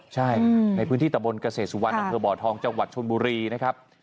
ใช่ในพื้นที่ตะบนเกษตรสุวรรณอำเภอบ่อทองจังหวัดชนบุรีนะครับ